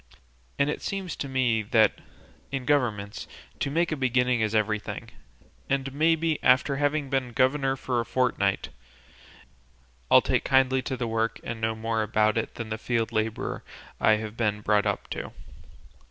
And it seems to me that, in governments, to make a beginning is everything; and maybe, after having been governor a fortnight, I'll take kindly to the work and know more about it than the field labour I have been brought up to."